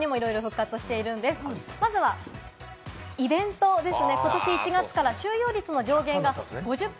まずはイベントです。